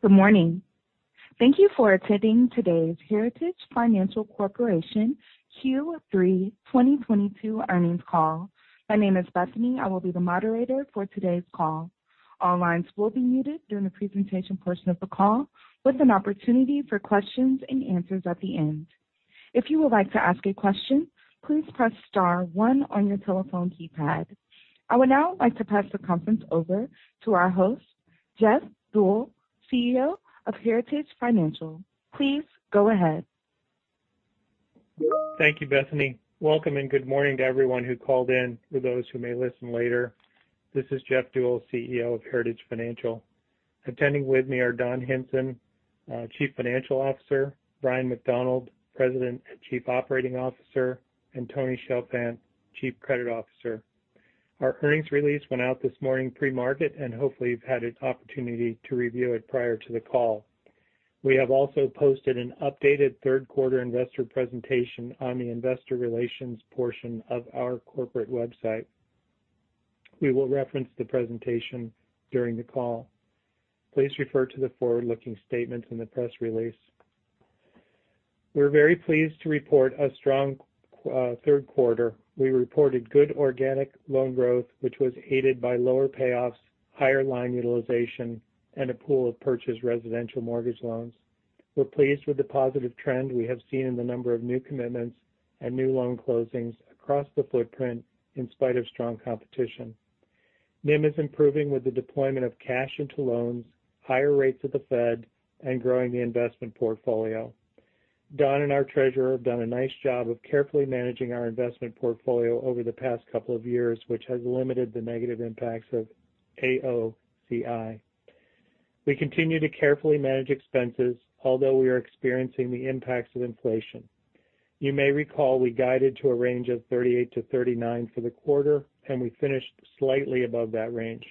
Good morning. Thank you for attending today's Heritage Financial Corporation Q3 2022 earnings call. My name is Bethany. I will be the moderator for today's call. All lines will be muted during the presentation portion of the call, with an opportunity for questions and answers at the end. If you would like to ask a question, please press star one on your telephone keypad. I would now like to pass the conference over to our host, Jeff Deuel, CEO of Heritage Financial. Please go ahead. Thank you, Bethany. Welcome and good morning to everyone who called in, for those who may listen later. This is Jeff Deuel, CEO of Heritage Financial. Attending with me are Don Hinson, Chief Financial Officer, Bryan McDonald, President and Chief Operating Officer, and Tony Chalfant, Chief Credit Officer. Our earnings release went out this morning pre-market, and hopefully you've had an opportunity to review it prior to the call. We have also posted an updated third quarter investor presentation on the investor relations portion of our corporate website. We will reference the presentation during the call. Please refer to the forward-looking statements in the press release. We're very pleased to report a strong third quarter. We reported good organic loan growth, which was aided by lower payoffs, higher line utilization, and a pool of purchased residential mortgage loans. We're pleased with the positive trend we have seen in the number of new commitments and new loan closings across the footprint in spite of strong competition. NIM is improving with the deployment of cash into loans, higher rates of the Fed, and growing the investment portfolio. Don and our treasurer have done a nice job of carefully managing our investment portfolio over the past couple of years, which has limited the negative impacts of AOCI. We continue to carefully manage expenses, although we are experiencing the impacts of inflation. You may recall we guided to a range of 38%-39% for the quarter, and we finished slightly above that range.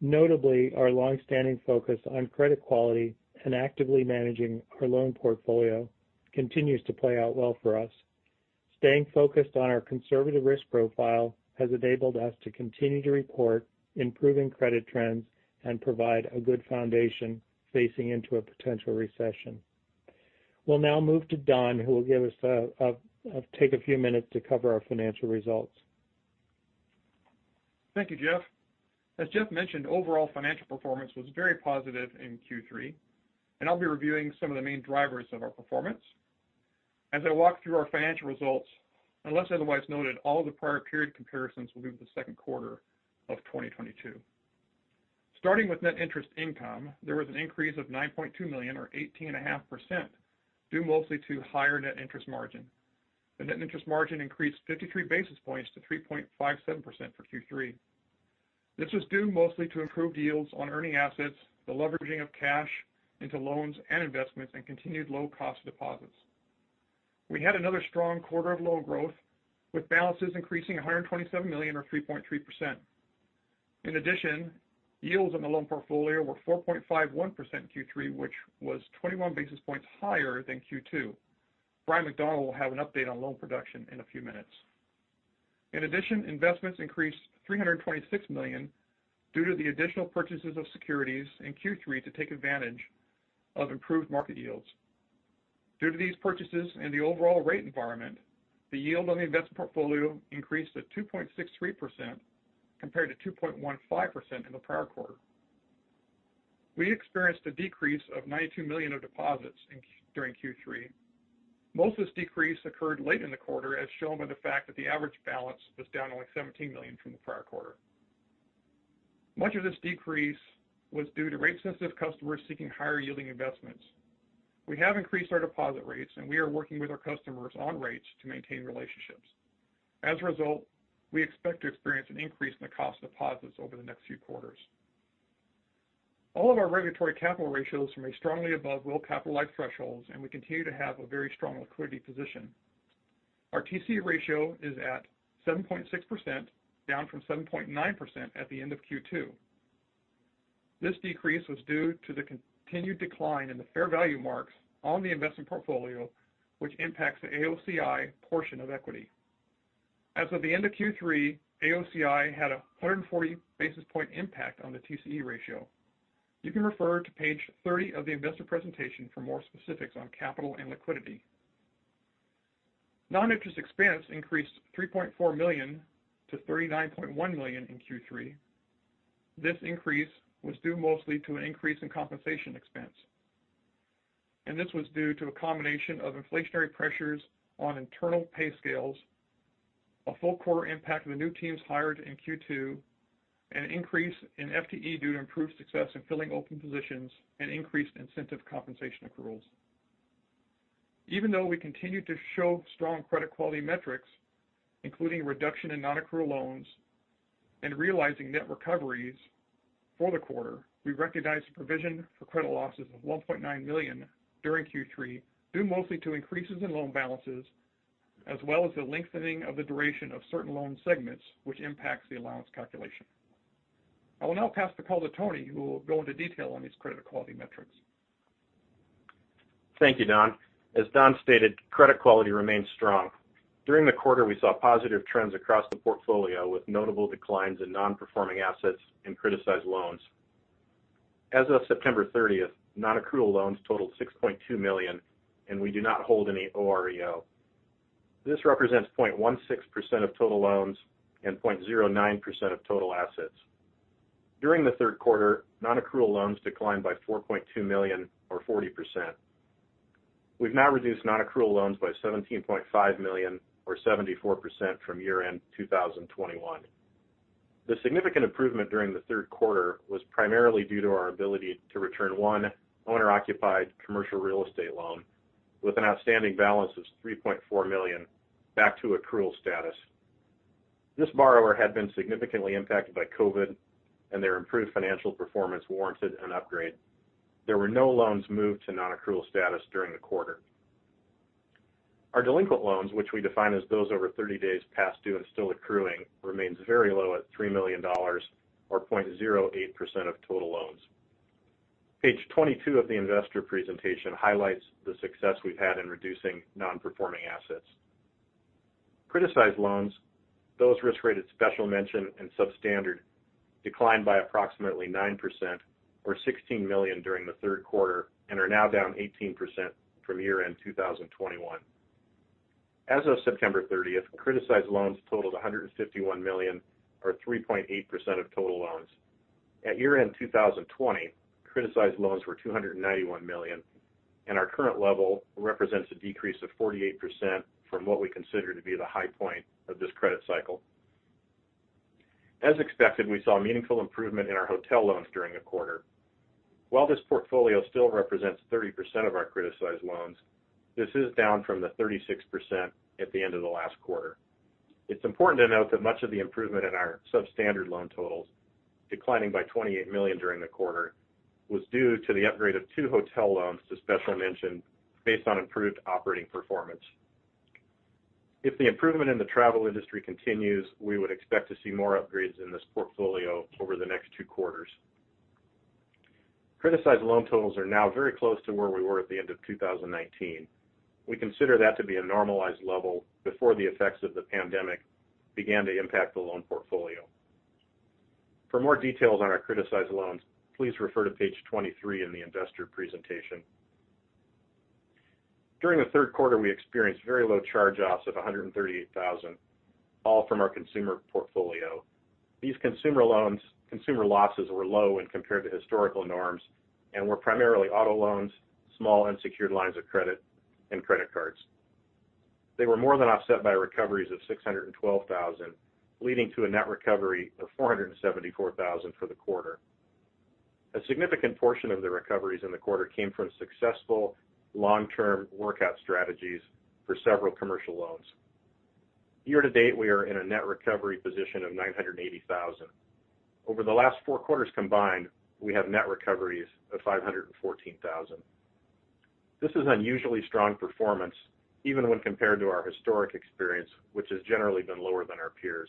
Notably, our long-standing focus on credit quality and actively managing our loan portfolio continues to play out well for us. Staying focused on our conservative risk profile has enabled us to continue to report improving credit trends and provide a good foundation facing into a potential recession. We'll now move to Don, who will take a few minutes to cover our financial results. Thank you, Jeff. As Jeff mentioned, overall financial performance was very positive in Q3, and I'll be reviewing some of the main drivers of our performance. As I walk through our financial results, unless otherwise noted, all the prior period comparisons will be with the second quarter of 2022. Starting with net interest income, there was an increase of $9.2 million or 18.5%, due mostly to higher net interest margin. The net interest margin increased 53 basis points to 3.57% for Q3. This was due mostly to improved yields on earning assets, the leveraging of cash into loans and investments, and continued low cost deposits. We had another strong quarter of loan growth, with balances increasing $127 million or 3.3%. Yields on the loan portfolio were 4.51% in Q3, which was 21 basis points higher than Q2. Bryan McDonald will have an update on loan production in a few minutes. Investments increased $326 million due to the additional purchases of securities in Q3 to take advantage of improved market yields. Due to these purchases and the overall rate environment, the yield on the investment portfolio increased to 2.63% compared to 2.15% in the prior quarter. We experienced a decrease of $92 million in deposits during Q3. Most of this decrease occurred late in the quarter, as shown by the fact that the average balance was down only $17 million from the prior quarter. Much of this decrease was due to rate-sensitive customers seeking higher-yielding investments. We have increased our deposit rates, and we are working with our customers on rates to maintain relationships. As a result, we expect to experience an increase in the cost of deposits over the next few quarters. All of our regulatory capital ratios remain strongly above well-capitalized thresholds, and we continue to have a very strong liquidity position. Our TCE ratio is at 7.6%, down from 7.9% at the end of Q2. This decrease was due to the continued decline in the fair value marks on the investment portfolio, which impacts the AOCI portion of equity. As of the end of Q3, AOCI had a 140 basis point impact on the TCE ratio. You can refer to page 30 of the investor presentation for more specifics on capital and liquidity. Noninterest expense increased $3.4 million-$39.1 million in Q3. This increase was due mostly to an increase in compensation expense. This was due to a combination of inflationary pressures on internal pay scales, a full quarter impact of the new teams hired in Q2, an increase in FTE due to improved success in filling open positions, and increased incentive compensation accruals. Even though we continue to show strong credit quality metrics, including a reduction in nonaccrual loans and realizing net recoveries for the quarter, we recognized a provision for credit losses of $1.9 million during Q3, due mostly to increases in loan balances, as well as the lengthening of the duration of certain loan segments, which impacts the allowance calculation. I will now pass the call to Tony, who will go into detail on these credit quality metrics. Thank you, Don. As Don stated, credit quality remains strong. During the quarter, we saw positive trends across the portfolio, with notable declines in non-performing assets and criticized loans. As of September thirtieth, nonaccrual loans totaled $6.2 million, and we do not hold any OREO. This represents 0.16% of total loans and 0.09% of total assets. During the third quarter, nonaccrual loans declined by $4.2 million or 40%. We've now reduced nonaccrual loans by $17.5 million or 74% from year-end 2021. The significant improvement during the third quarter was primarily due to our ability to return one owner-occupied commercial real estate loan with an outstanding balance of $3.4 million back to accrual status. This borrower had been significantly impacted by COVID, and their improved financial performance warranted an upgrade. There were no loans moved to nonaccrual status during the quarter. Our delinquent loans, which we define as those over 30 days past due and still accruing, remains very low at $3 million or 0.08% of total loans. Page 22 of the investor presentation highlights the success we've had in reducing non-performing assets. Criticized loans, those risk-rated Special Mention and substandard, declined by approximately 9% or $16 million during the third quarter and are now down 18% from year-end 2021. As of September 30th, criticized loans totaled $151 million or 3.8% of total loans. At year-end 2020, criticized loans were $291 million, and our current level represents a decrease of 48% from what we consider to be the high point of this credit cycle. As expected, we saw a meaningful improvement in our hotel loans during the quarter. While this portfolio still represents 30% of our criticized loans, this is down from the 36% at the end of the last quarter. It's important to note that much of the improvement in our substandard loan totals, declining by $28 million during the quarter, was due to the upgrade of two hotel loans to Special Mention based on improved operating performance. If the improvement in the travel industry continues, we would expect to see more upgrades in this portfolio over the next two quarters. Criticized loan totals are now very close to where we were at the end of 2019. We consider that to be a normalized level before the effects of the pandemic began to impact the loan portfolio. For more details on our criticized loans, please refer to page 23 in the investor presentation. During the third quarter, we experienced very low charge-offs of $138,000, all from our consumer portfolio. These consumer losses were low when compared to historical norms and were primarily auto loans, small unsecured lines of credit, and credit cards. They were more than offset by recoveries of $612,000, leading to a net recovery of $474,000 for the quarter. A significant portion of the recoveries in the quarter came from successful long-term workout strategies for several commercial loans. Year to date, we are in a net recovery position of $980,000. Over the last four quarters combined, we have net recoveries of $514,000. This is unusually strong performance even when compared to our historic experience, which has generally been lower than our peers.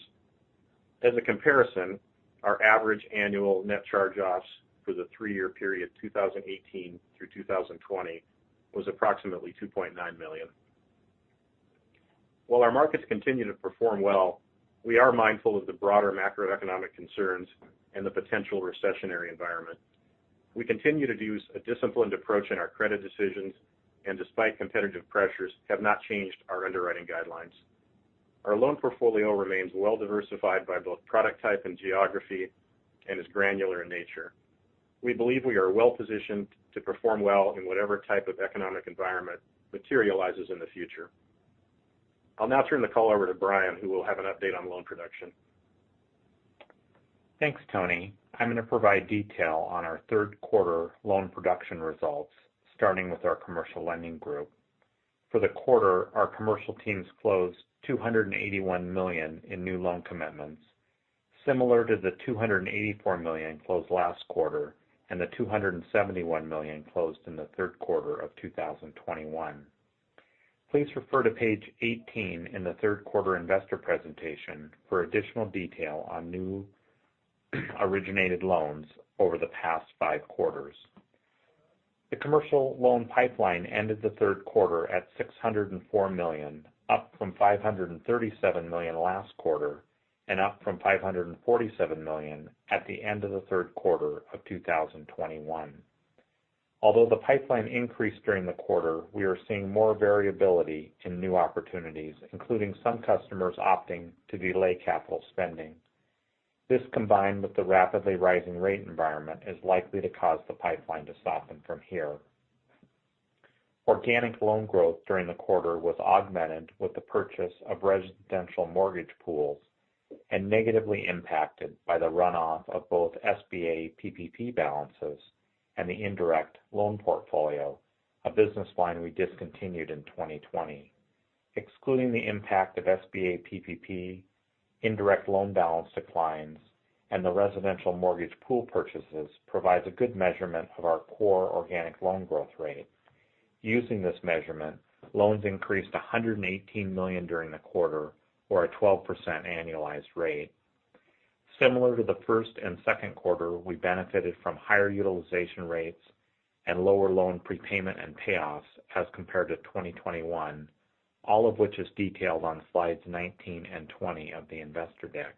As a comparison, our average annual net charge-offs for the three-year period, 2018 through 2020, was approximately $2.9 million. While our markets continue to perform well, we are mindful of the broader macroeconomic concerns and the potential recessionary environment. We continue to use a disciplined approach in our credit decisions and despite competitive pressures, have not changed our underwriting guidelines. Our loan portfolio remains well-diversified by both product type and geography and is granular in nature. We believe we are well-positioned to perform well in whatever type of economic environment materializes in the future. I'll now turn the call over to Bryan McDonald, who will have an update on loan production. Thanks, Tony. I'm gonna provide detail on our third quarter loan production results, starting with our commercial lending group. For the quarter, our commercial teams closed $281 million in new loan commitments, similar to the $284 million closed last quarter and the $271 million closed in the third quarter of 2021. Please refer to page 18 in the third quarter investor presentation for additional detail on new originated loans over the past five quarters. The commercial loan pipeline ended the third quarter at $604 million, up from $537 million last quarter and up from $547 million at the end of the third quarter of 2021. Although the pipeline increased during the quarter, we are seeing more variability in new opportunities, including some customers opting to delay capital spending. This, combined with the rapidly rising rate environment, is likely to cause the pipeline to soften from here. Organic loan growth during the quarter was augmented with the purchase of residential mortgage pools and negatively impacted by the runoff of both SBA PPP balances and the indirect loan portfolio, a business line we discontinued in 2020. Excluding the impact of SBA PPP, indirect loan balance declines, and the residential mortgage pool purchases provides a good measurement of our core organic loan growth rate. Using this measurement, loans increased $118 million during the quarter or a 12% annualized rate. Similar to the first and second quarter, we benefited from higher utilization rates and lower loan prepayment and payoffs as compared to 2021, all of which is detailed on slides 19 and 20 of the investor deck.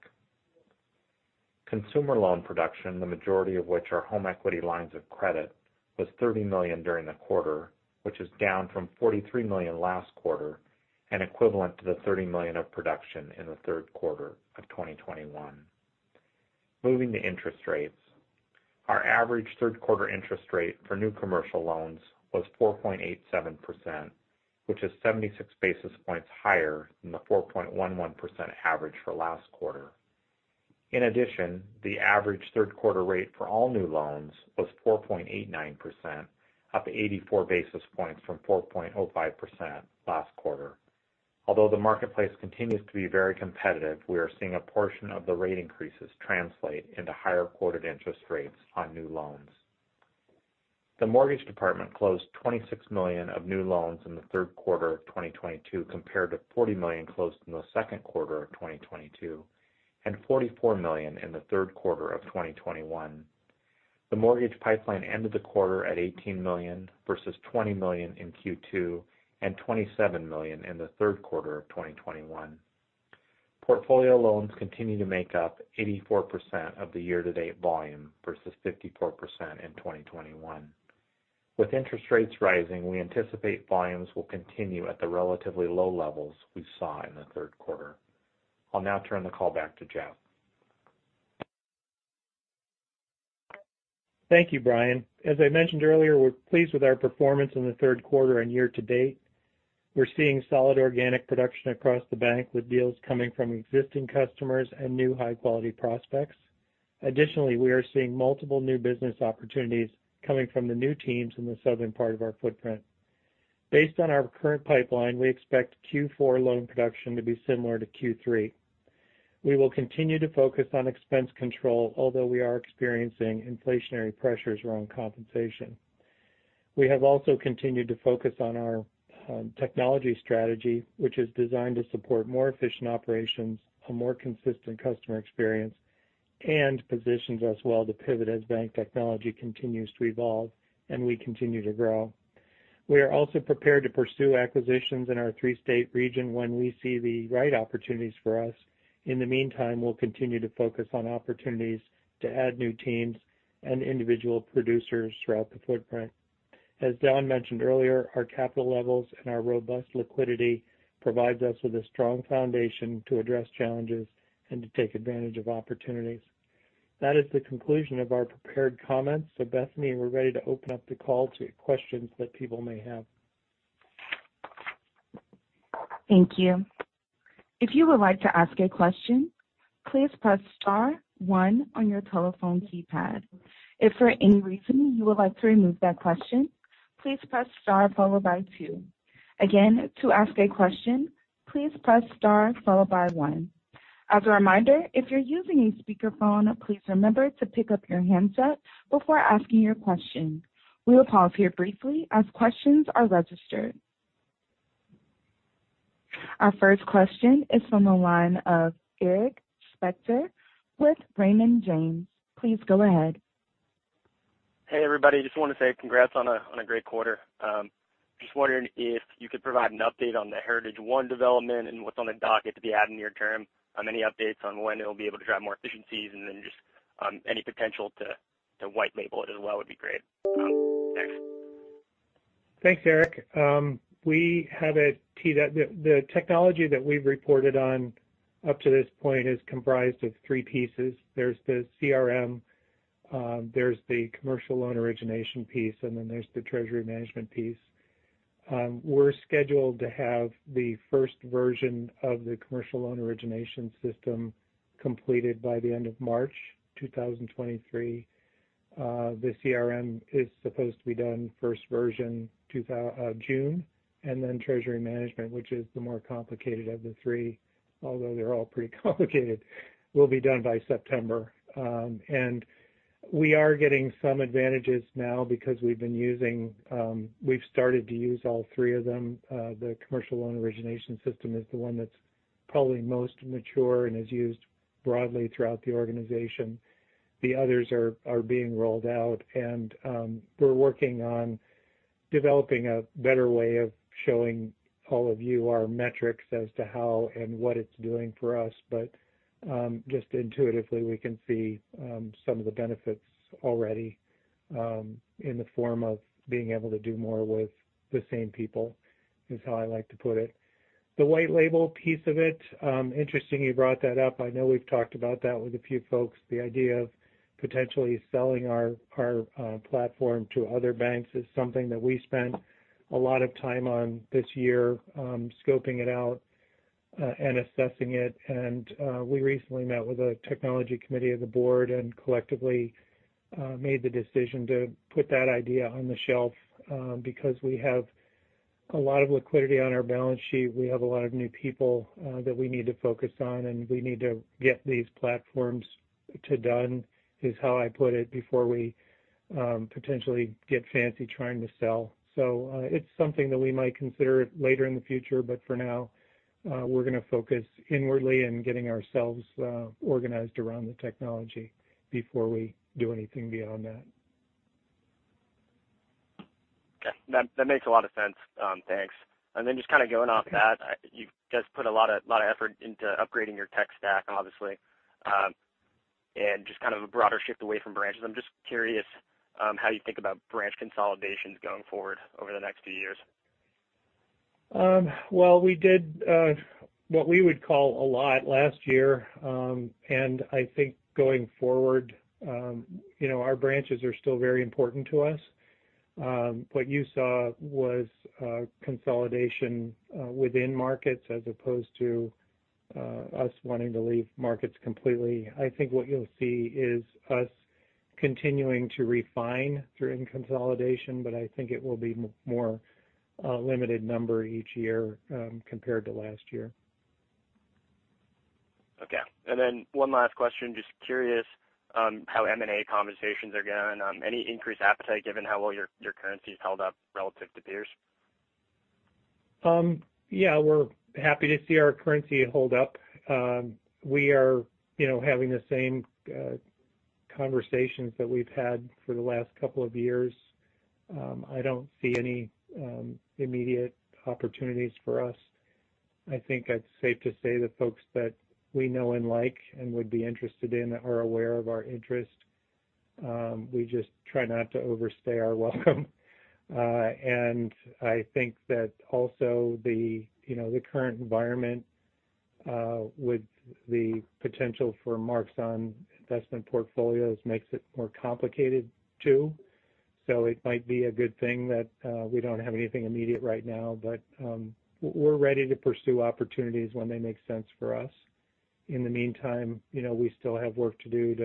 Consumer loan production, the majority of which are home equity lines of credit, was $30 million during the quarter, which is down from $43 million last quarter and equivalent to the $30 million of production in the third quarter of 2021. Moving to interest rates. Our average third quarter interest rate for new commercial loans was 4.87%, which is 76 basis points higher than the 4.11% average for last quarter. In addition, the average third quarter rate for all new loans was 4.89%, up 84 basis points from 4.05% last quarter. Although the marketplace continues to be very competitive, we are seeing a portion of the rate increases translate into higher quoted interest rates on new loans. The mortgage department closed $26 million of new loans in the third quarter of 2022 compared to $40 million closed in the second quarter of 2022, and $44 million in the third quarter of 2021. The mortgage pipeline ended the quarter at $18 million versus $20 million in Q2 and $27 million in the third quarter of 2021. Portfolio loans continue to make up 84% of the year-to-date volume versus 54% in 2021. With interest rates rising, we anticipate volumes will continue at the relatively low levels we saw in the third quarter. I'll now turn the call back to Jeff. Thank you, Bryan. As I mentioned earlier, we're pleased with our performance in the third quarter and year to date. We're seeing solid organic production across the bank, with deals coming from existing customers and new high-quality prospects. Additionally, we are seeing multiple new business opportunities coming from the new teams in the southern part of our footprint. Based on our current pipeline, we expect Q4 loan production to be similar to Q3. We will continue to focus on expense control although we are experiencing inflationary pressures around compensation. We have also continued to focus on our technology strategy, which is designed to support more efficient operations, a more consistent customer experience, and positions us well to pivot as bank technology continues to evolve and we continue to grow. We are also prepared to pursue acquisitions in our three-state region when we see the right opportunities for us. In the meantime, we'll continue to focus on opportunities to add new teams and individual producers throughout the footprint. As Don mentioned earlier, our capital levels and our robust liquidity provides us with a strong foundation to address challenges and to take advantage of opportunities. That is the conclusion of our prepared comments. Bethany, we're ready to open up the call to questions that people may have. Thank you. If you would like to ask a question, please press star one on your telephone keypad. If for any reason you would like to remove that question, please press star followed by two. Again, to ask a question, please press star followed by one. As a reminder, if you're using a speakerphone, please remember to pick up your handset before asking your question. We will pause here briefly as questions are registered. Our first question is from the line of Eric Spector with Raymond James. Please go ahead. Hey, everybody. Just wanna say congrats on a great quarter. Just wondering if you could provide an update on the HeritageOne development and what's on the docket to be added near term. Any updates on when it'll be able to drive more efficiencies, and then just any potential to white label it as well would be great. Thanks. Thanks, Eric. The technology that we've reported on up to this point is comprised of three pieces. There's the CRM, there's the commercial loan origination piece, and then there's the treasury management piece. We're scheduled to have the first version of the commercial loan origination system completed by the end of March 2023. The CRM is supposed to be done first version June, and then treasury management, which is the more complicated of the three, although they're all pretty complicated, will be done by September. We are getting some advantages now because we've been using, we've started to use all three of them. The commercial loan origination system is the one that's probably most mature and is used broadly throughout the organization. The others are being rolled out and we're working on developing a better way of showing all of you our metrics as to how and what it's doing for us. Just intuitively, we can see some of the benefits already in the form of being able to do more with the same people, is how I like to put it. The white label piece of it, interesting you brought that up. I know we've talked about that with a few folks. The idea of potentially selling our platform to other banks is something that we spent a lot of time on this year, scoping it out and assessing it. We recently met with a technology committee of the board and collectively made the decision to put that idea on the shelf because we have a lot of liquidity on our balance sheet. We have a lot of new people that we need to focus on, and we need to get these platforms done, is how I put it before we potentially get fancy trying to sell. It's something that we might consider later in the future, but for now, we're gonna focus inwardly on getting ourselves organized around the technology before we do anything beyond that. Okay. That makes a lot of sense. Thanks. Just kinda going off that, you guys put a lot of effort into upgrading your tech stack, obviously. And just kind of a broader shift away from branches. I'm just curious, how you think about branch consolidations going forward over the next few years. Well, we did what we would call a lot last year. I think going forward, you know, our branches are still very important to us. What you saw was consolidation within markets as opposed to us wanting to leave markets completely. I think what you'll see is us continuing to refine through in consolidation, but I think it will be more limited number each year compared to last year. Okay. One last question. Just curious on how M&A conversations are going. Any increased appetite given how well your currency's held up relative to peers? Yeah, we're happy to see our currency hold up. We are, you know, having the same conversations that we've had for the last couple of years. I don't see any immediate opportunities for us. I think it's safe to say that folks that we know and like and would be interested in are aware of our interest. We just try not to overstay our welcome. I think that also, you know, the current environment with the potential for marks on investment portfolios makes it more complicated too. It might be a good thing that we don't have anything immediate right now, but we're ready to pursue opportunities when they make sense for us. In the meantime, you know, we still have work to do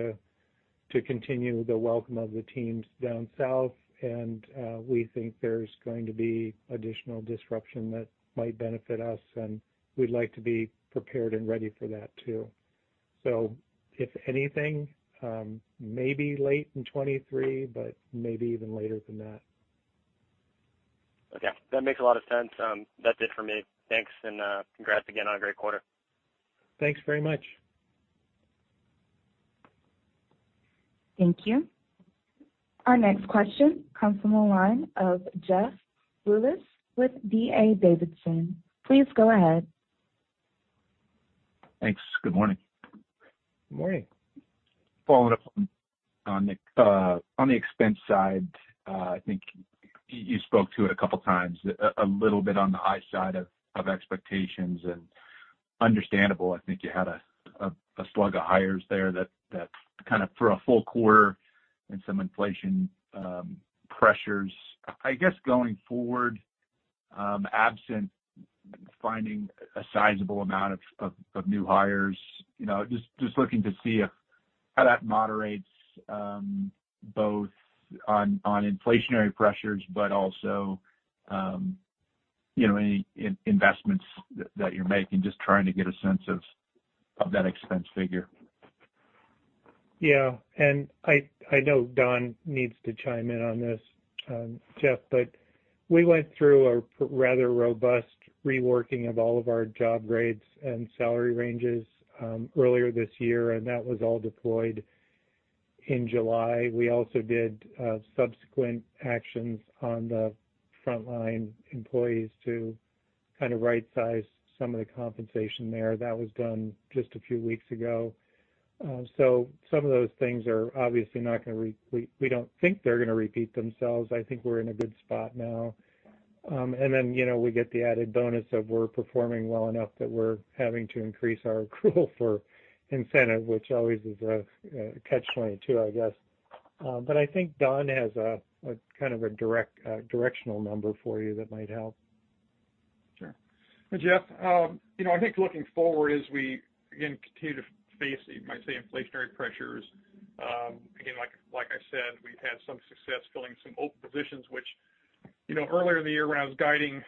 to continue the welcome of the teams down south. We think there's going to be additional disruption that might benefit us, and we'd like to be prepared and ready for that too. If anything, maybe late in 2023, but maybe even later than that. Okay. That makes a lot of sense. That's it for me. Thanks, and congrats again on a great quarter. Thanks very much. Thank you. Our next question comes from the line of Jeff Rulis with D.A. Davidson. Please go ahead. Thanks. Good morning. Good morning. Following up on the expense side, I think you spoke to it a couple times, a little bit on the high side of expectations and understandable. I think you had a slug of hires there that kind of for a full quarter and some inflation pressures. I guess going forward, absent finding a sizable amount of new hires, you know, just looking to see if, how that moderates, both on inflationary pressures but also, you know, any investments that you're making, just trying to get a sense of that expense figure. Yeah. I know Don needs to chime in on this, Jeff, but we went through a rather robust reworking of all of our job grades and salary ranges, earlier this year, and that was all deployed in July. We also did subsequent actions on the frontline employees to kind of right-size some of the compensation there. That was done just a few weeks ago. Some of those things are obviously not gonna, we don't think they're gonna repeat themselves. I think we're in a good spot now. You know, we get the added bonus of we're performing well enough that we're having to increase our accrual for incentive, which always is a catch-22, I guess. I think Don has a kind of a direct directional number for you that might help. Sure. Jeff, you know, I think looking forward as we again continue to face, you might say inflationary pressures, again, like I said, we've had some success filling some open positions, which, you know, earlier in the year when I was guiding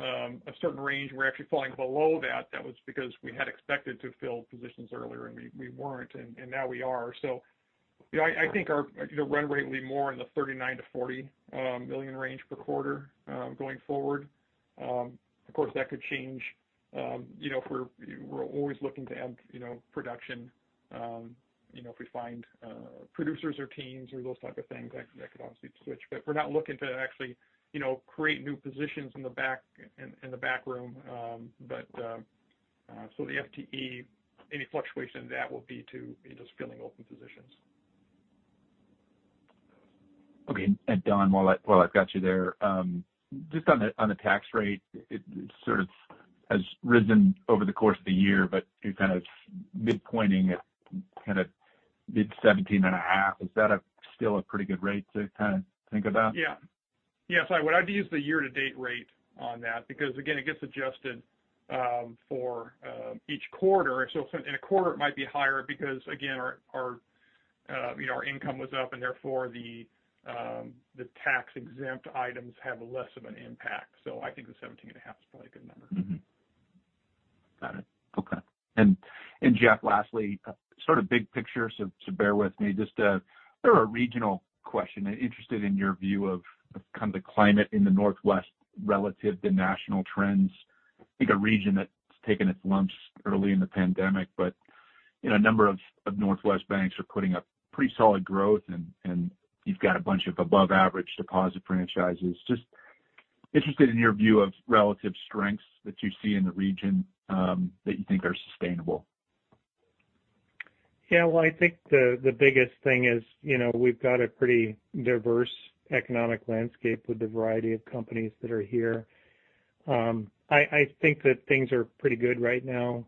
a certain range, we're actually falling below that. That was because we had expected to fill positions earlier, and we weren't, and now we are. You know, I think our you know run rate will be more in the $39 million-$40 million range per quarter going forward. You know, if we're always looking to add, you know, production, you know, if we find producers or teams or those type of things, that could obviously switch. We're not looking to actually, you know, create new positions in the back room. The FTE, any fluctuation in that will be to just filling open positions. Okay. Don, while I've got you there, just on the tax rate, it sort of has risen over the course of the year, but you're kind of mid-pointing it kind of mid-17.5%. Is that still a pretty good rate to kind of think about? Yeah. Yes, I would. I'd use the year-to-date rate on that because, again, it gets adjusted for each quarter. In a quarter, it might be higher because, again, our you know, our income was up and therefore the tax-exempt items have less of an impact. I think the 17.5% is probably a good number. Got it. Okay. Jeff, lastly, sort of big picture, so bear with me. Just sort of a regional question. Interested in your view of kind of the climate in the Northwest relative to national trends. I think a region that's taken its lumps early in the pandemic, but you know, a number of Northwest banks are putting up pretty solid growth and you've got a bunch of above average deposit franchises. Just interested in your view of relative strengths that you see in the region that you think are sustainable. Yeah. Well, I think the biggest thing is, you know, we've got a pretty diverse economic landscape with the variety of companies that are here. I think that things are pretty good right now.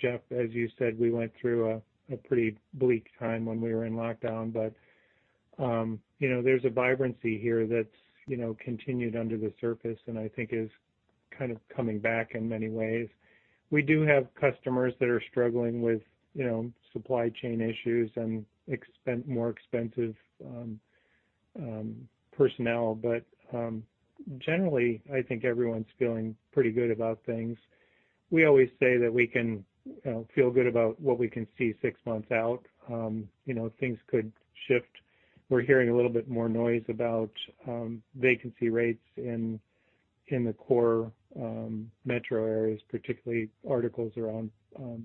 Jeff, as you said, we went through a pretty bleak time when we were in lockdown. You know, there's a vibrancy here that's, you know, continued under the surface, and I think is kind of coming back in many ways. We do have customers that are struggling with, you know, supply chain issues and more expensive personnel. Generally, I think everyone's feeling pretty good about things. We always say that we can feel good about what we can see six months out. You know, things could shift. We're hearing a little bit more noise about vacancy rates in the core metro areas, particularly articles around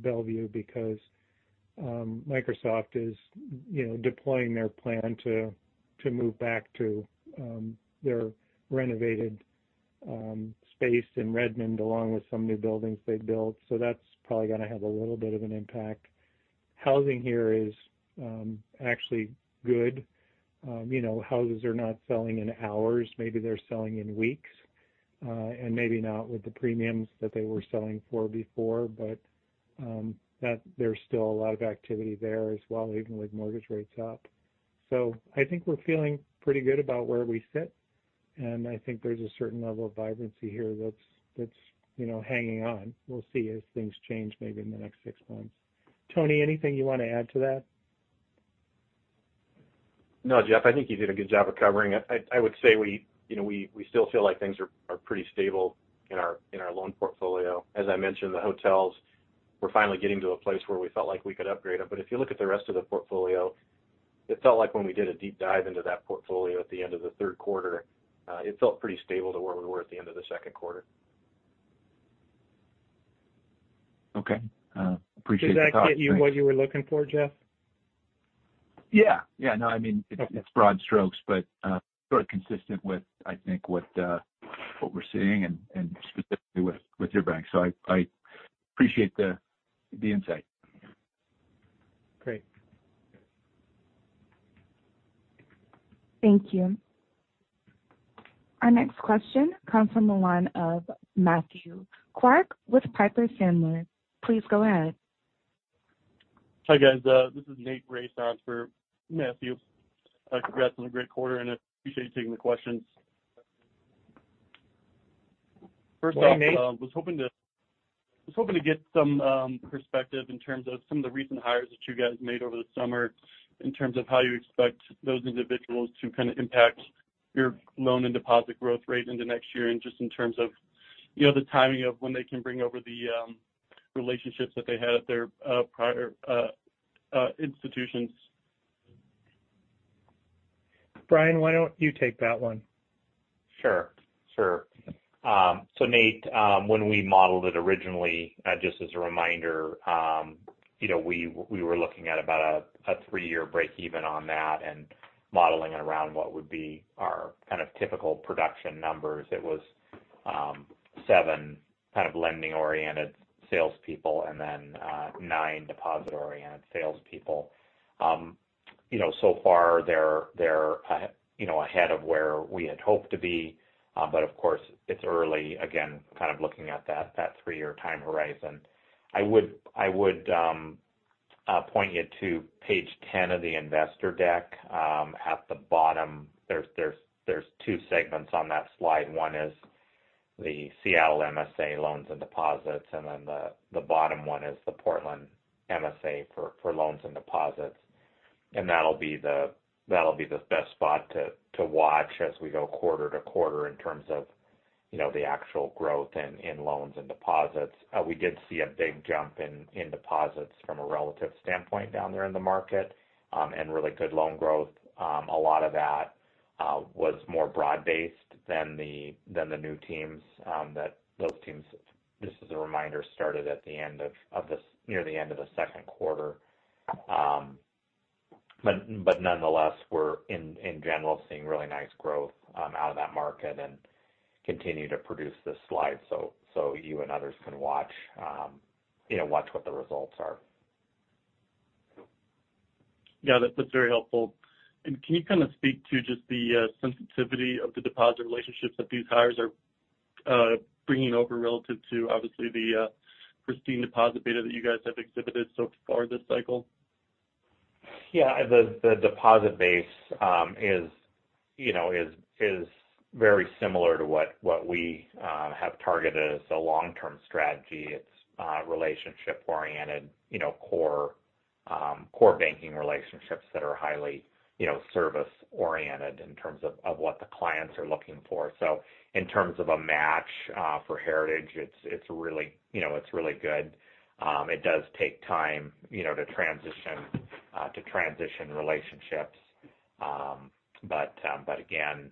Bellevue, because Microsoft is, you know, deploying their plan to move back to their renovated space in Redmond, along with some new buildings they built. That's probably gonna have a little bit of an impact. Housing here is actually good. You know, houses are not selling in hours. Maybe they're selling in weeks, and maybe not with the premiums that they were selling for before. There's still a lot of activity there as well, even with mortgage rates up. I think we're feeling pretty good about where we sit, and I think there's a certain level of vibrancy here that's you know, hanging on. We'll see as things change maybe in the next six months. Tony, anything you wanna add to that? No, Jeff, I think you did a good job of covering it. I would say we, you know, we still feel like things are pretty stable in our loan portfolio. As I mentioned, the hotels, we're finally getting to a place where we felt like we could upgrade them. If you look at the rest of the portfolio, it felt like when we did a deep dive into that portfolio at the end of the third quarter, it felt pretty stable to where we were at the end of the second quarter. Okay. Appreciate the thoughts. Thanks. Did that get you what you were looking for, Jeff? Yeah. No, I mean. Okay. It's broad strokes, but sort of consistent with, I think, what we're seeing and specifically with your bank. I appreciate the insight. Great. Thank you. Our next question comes from the line of Matthew Clark with Piper Sandler. Please go ahead. Hi, guys. This is Nate Race for Matthew. Congrats on a great quarter, and I appreciate you taking the questions. First name Nate? Well, was hoping to get some perspective in terms of some of the recent hires that you guys made over the summer in terms of how you expect those individuals to kind of impact your loan and deposit growth rate into next year. Just in terms of, you know, the timing of when they can bring over the relationships that they had at their prior institutions. Bryan, why don't you take that one? Sure. Nate, when we modeled it originally, just as a reminder, you know, we were looking at about a three-year breakeven on that and modeling it around what would be our kind of typical production numbers. It was seven lending-oriented salespeople and then nine deposit-oriented salespeople. You know, so far they're ahead of where we had hoped to be. Of course, it's early, again, kind of looking at that three-year time horizon. I would point you to page 10 of the investor deck. At the bottom, there's two segments on that slide. One is the Seattle MSA loans and deposits, and then the bottom one is the Portland MSA for loans and deposits. That'll be the best spot to watch as we go quarter to quarter in terms of, you know, the actual growth in loans and deposits. We did see a big jump in deposits from a relative standpoint down there in the market, and really good loan growth. A lot of that was more broad-based than the new teams that those teams, just as a reminder, started near the end of the second quarter. Nonetheless, we're in general seeing really nice growth out of that market and continue to produce this slide so you and others can watch, you know, watch what the results are. Yeah. That's very helpful. Can you kind of speak to just the sensitivity of the deposit relationships that these hires are bringing over relative to obviously the pristine deposit beta that you guys have exhibited so far this cycle? Yeah. The deposit base is, you know, very similar to what we have targeted as a long-term strategy. It's relationship-oriented, you know, core banking relationships that are highly, you know, service-oriented in terms of what the clients are looking for. In terms of a match for Heritage, it's really, you know, good. It does take time, you know, to transition relationships. Again,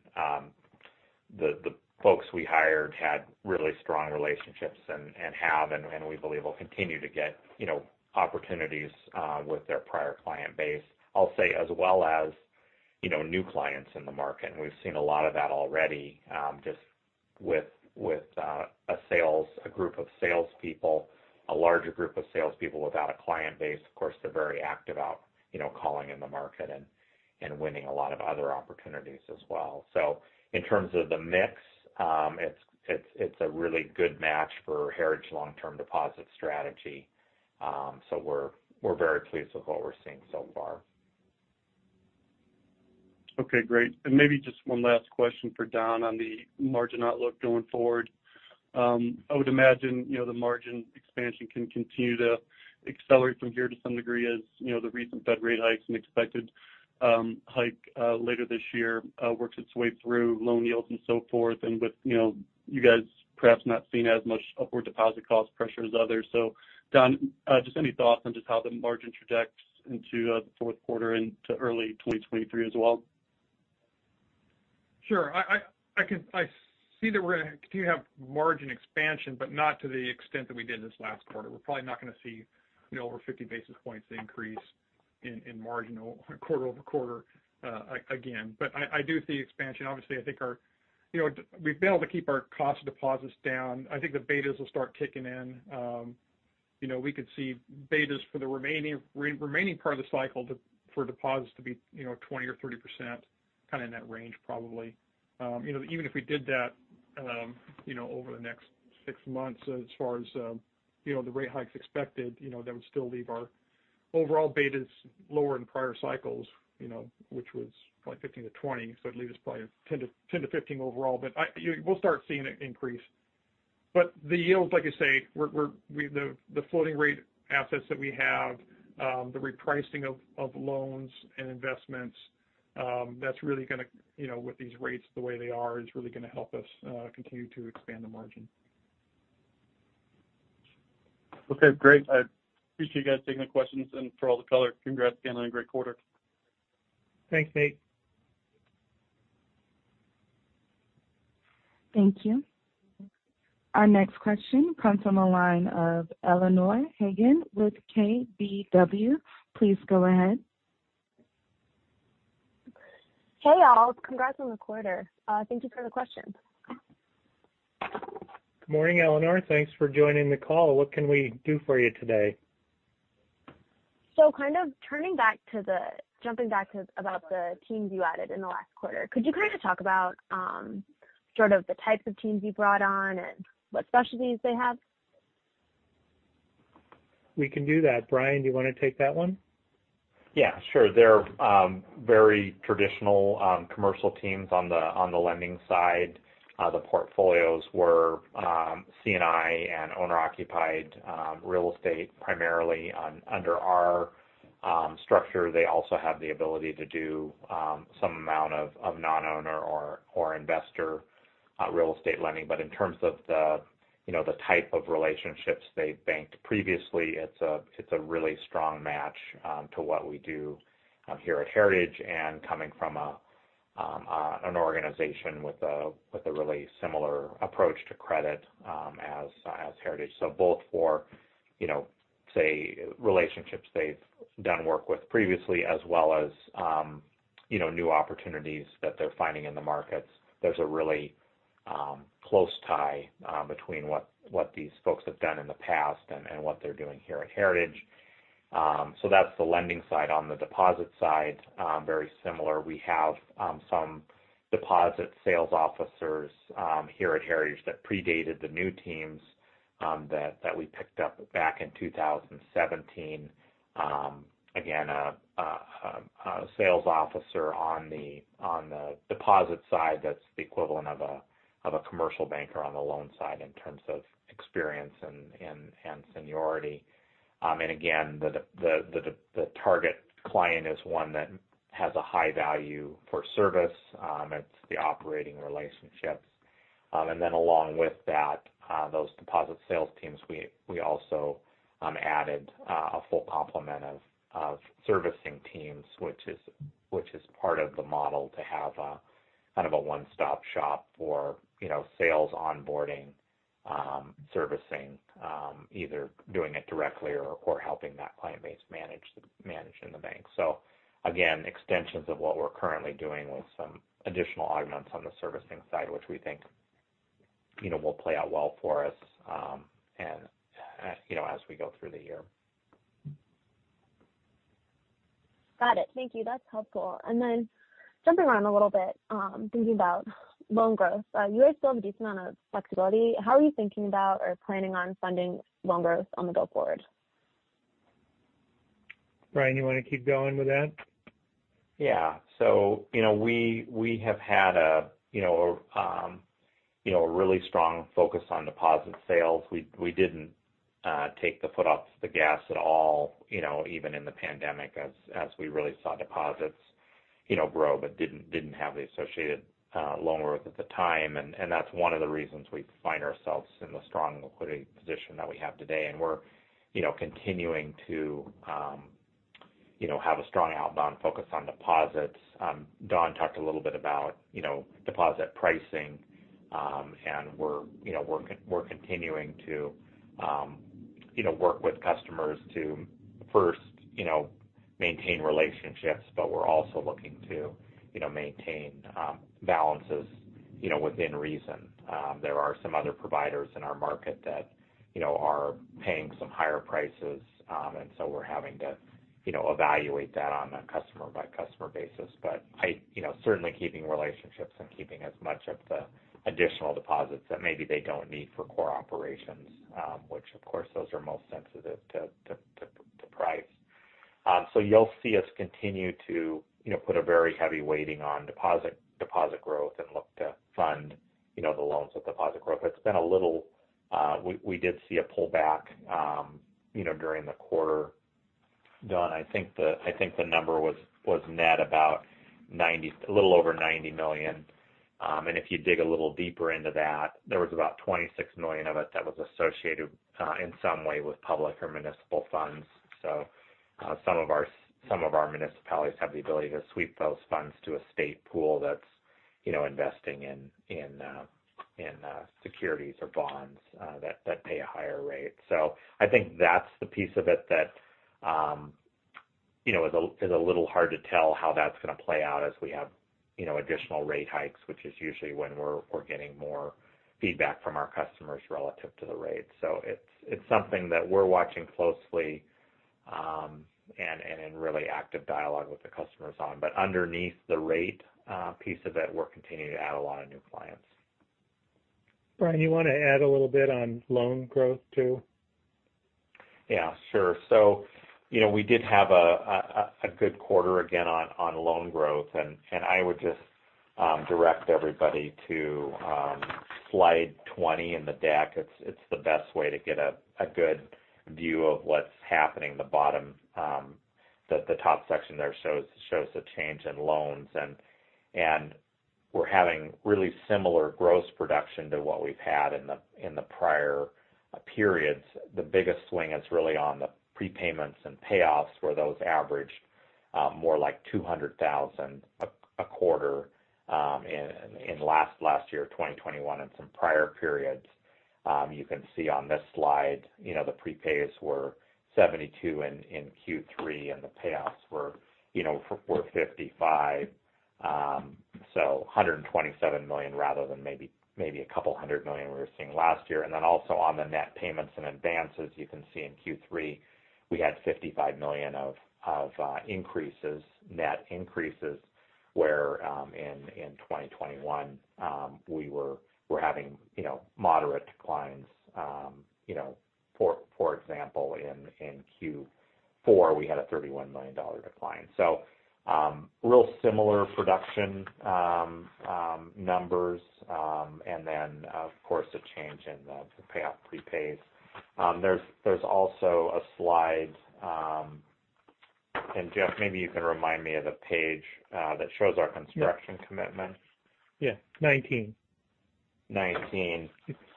the folks we hired had really strong relationships and have, and we believe will continue to get, you know, opportunities with their prior client base. I'll say as well as, you know, new clients in the market, and we've seen a lot of that already, just with a group of salespeople, a larger group of salespeople without a client base. Of course, they're very active out, you know, calling in the market and winning a lot of other opportunities as well. In terms of the mix, it's a really good match for Heritage long-term deposit strategy. We're very pleased with what we're seeing so far. Okay, great. Maybe just one last question for Don on the margin outlook going forward. I would imagine, you know, the margin expansion can continue to accelerate from here to some degree as, you know, the recent Fed rate hikes and expected hike later this year works its way through loan yields and so forth. With, you know, you guys perhaps not seeing as much upward deposit cost pressure as others. Don, just any thoughts on just how the margin tracks into the fourth quarter and to early 2023 as well? Sure. I see that we're gonna continue to have margin expansion, but not to the extent that we did this last quarter. We're probably not gonna see, you know, over 50 basis points increase in margin quarter-over-quarter again. I do see expansion. Obviously, I think. You know, we've been able to keep our cost of deposits down. I think the betas will start kicking in. You know, we could see betas for the remaining part of the cycle for deposits to be, you know, 20%-30%, kind of in that range probably. You know, even if we did that, you know, over the next six months as far as, you know, the rate hikes expected, you know, that would still leave our overall betas lower in prior cycles, you know, which was probably 15-20, so it'd leave us probably 10-15 overall. We'll start seeing it increase. The yields, like you say, the floating rate assets that we have, the repricing of loans and investments, that's really gonna, you know, with these rates the way they are, is really gonna help us continue to expand the margin. Okay, great. I appreciate you guys taking the questions and for all the color. Congrats again on a great quarter. Thanks, Nate. Thank you. Our next question comes from the line of Eleanor Hagan with KBW. Please go ahead. Hey, all. Congrats on the quarter. Thank you for the questions. Good morning, Eleanor. Thanks for joining the call. What can we do for you today? Jumping back to about the teams you added in the last quarter. Could you kind of talk about sort of the types of teams you brought on and what specialties they have? We can do that. Bryan, do you wanna take that one? Yeah, sure. They're very traditional commercial teams on the lending side. The portfolios were C&I and owner-occupied real estate primarily. Under our structure, they also have the ability to do some amount of non-owner or investor real estate lending. In terms of the, you know, the type of relationships they banked previously, it's a really strong match to what we do here at Heritage and coming from an organization with a really similar approach to credit as Heritage. Both for, you know, say, relationships they've done work with previously as well as, you know, new opportunities that they're finding in the markets. There's a really close tie between what these folks have done in the past and what they're doing here at Heritage. That's the lending side. On the deposit side, very similar. We have some deposit sales officers here at Heritage that predated the new teams that we picked up back in 2017. Again, a sales officer on the deposit side that's the equivalent of a commercial banker on the loan side in terms of experience and seniority. Again, the target client is one that has a high value for service. It's the operating relationships. Along with that, those deposit sales teams, we also added a full complement of servicing teams, which is part of the model to have a kind of a one-stop shop for, you know, sales, onboarding, servicing, either doing it directly or helping that client base manage in the bank. Again, extensions of what we're currently doing with some additional augments on the servicing side, which we think, you know, will play out well for us, and, you know, as we go through the year. Got it. Thank you. That's helpful. Jumping around a little bit, thinking about loan growth. You guys still have a decent amount of flexibility. How are you thinking about or planning on funding loan growth on the go-forward? Bryan, you wanna keep going with that? Yeah. You know, we have had a you know a really strong focus on deposit sales. We didn't take the foot off the gas at all, you know, even in the pandemic as we really saw deposits, you know, grow but didn't have the associated loan growth at the time. That's one of the reasons we find ourselves in the strong liquidity position that we have today. We're you know continuing to you know have a strong outbound focus on deposits. Don talked a little bit about you know deposit pricing. We're you know continuing to you know work with customers to first you know maintain relationships, but we're also looking to you know maintain balances you know within reason. There are some other providers in our market that, you know, are paying some higher prices. We're having to, you know, evaluate that on a customer by customer basis. You know, certainly keeping relationships and keeping as much of the additional deposits that maybe they don't need for core operations, which of course, those are most sensitive to price. You'll see us continue to, you know, put a very heavy weighting on deposit growth and look to fund, you know, the loans with deposit growth. It's been a little. We did see a pullback, you know, during the quarter. Don, I think the number was net about a little over $90 million. If you dig a little deeper into that, there was about $26 million of it that was associated in some way with public or municipal funds. Some of our municipalities have the ability to sweep those funds to a state pool that's, you know, investing in securities or bonds that pay a higher rate. I think that's the piece of it that, you know, is a little hard to tell how that's gonna play out as we have, you know, additional rate hikes, which is usually when we're getting more feedback from our customers relative to the rates. It's something that we're watching closely and in really active dialogue with the customers on. Underneath the rate, piece of it, we're continuing to add a lot of new clients. Bryan, you wanna add a little bit on loan growth too? Yeah, sure. You know, we did have a good quarter again on loan growth. I would just direct everybody to slide 20 in the deck. It's the best way to get a good view of what's happening. The top section there shows the change in loans. We're having really similar gross production to what we've had in the prior periods. The biggest swing is really on the prepayments and payoffs, where those averaged more like $200,000 a quarter in last year, 2021, and some prior periods. You can see on this slide, you know, the prepays were $72 in Q3, and the payoffs were $55. A hundred and twenty-seven million rather than maybe a couple hundred million we were seeing last year. Also on the net payments and advances, you can see in Q3, we had fifty-five million of increases, net increases. Where in 2021, we're having, you know, moderate declines. You know, for example, in Q4, we had a thirty-one million dollar decline. Real similar production numbers. Of course, a change in the payoff prepays. There's also a slide, and Jeff, maybe you can remind me of the page that shows our construction commitments. Yeah. 19. 2019.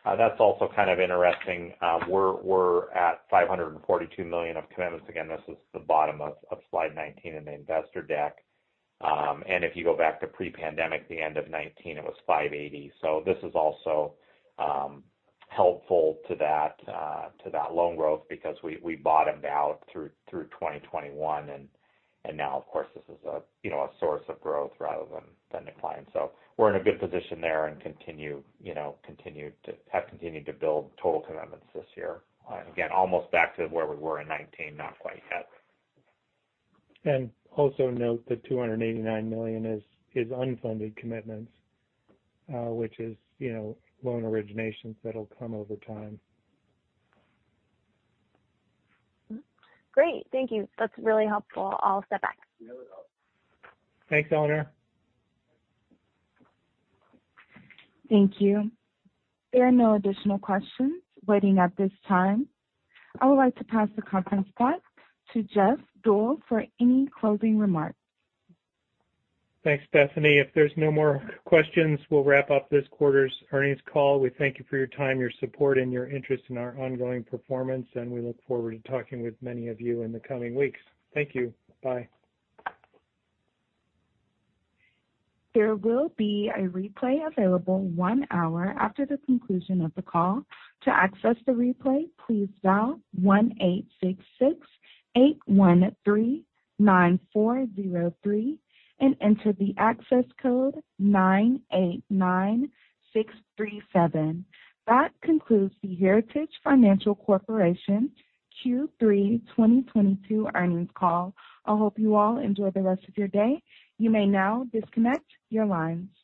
That's also kind of interesting. We're at $542 million of commitments. Again, this is the bottom of slide 19 in the investor deck. If you go back to pre-pandemic, the end of 2019, it was $580. This is also helpful to that loan growth because we bottomed out through 2021. Now of course, this is, you know, a source of growth rather than decline. We're in a good position there and have continued to build total commitments this year. Again, almost back to where we were in 2019, not quite yet. Also note that $289 million is unfunded commitments, which is, you know, loan originations that'll come over time. Great. Thank you. That's really helpful. I'll step back. Thanks, Eleanor. Thank you. There are no additional questions waiting at this time. I would like to pass the conference back to Jeff Deuel for any closing remarks. Thanks, Stephanie. If there's no more questions, we'll wrap up this quarter's earnings call. We thank you for your time, your support, and your interest in our ongoing performance, and we look forward to talking with many of you in the coming weeks. Thank you. Bye. There will be a replay available one hour after the conclusion of the call. To access the replay, please dial 1-866-813-9403 and enter the access code 989637. That concludes the Heritage Financial Corporation Q3 2022 earnings call. I hope you all enjoy the rest of your day. You may now disconnect your lines.